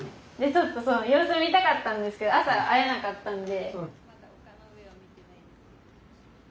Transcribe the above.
ちょっとそう様子を見たかったんですけど朝会えなかったんで。